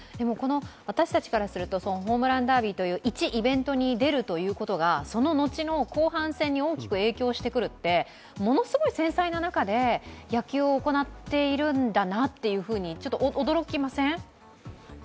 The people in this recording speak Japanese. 私たちからするとホームランダービーといういちイベントに出るということはその後の後半戦に大きく影響してくるってものすごい繊細な中で野球を行っているんだなと、ちょっと驚きません？